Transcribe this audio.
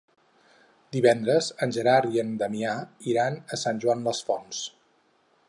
Divendres en Gerard i en Damià iran a Sant Joan les Fonts.